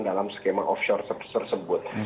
dalam skema offshore tersebut